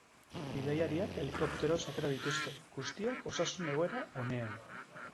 Bidaiariak helikopteroz atera dituzte, guztiak osasun egoera onean.